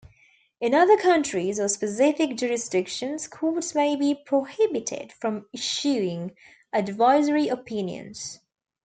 In other countries or specific jurisdictions, courts may be prohibited from issuing advisory opinions.